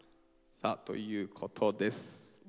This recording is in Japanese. さあということですね。